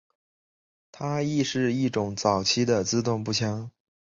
它亦是一种早期的自动步枪。